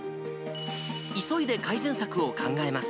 急いで改善策を考えます。